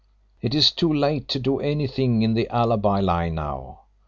It is too late to do anything in the alibi line now.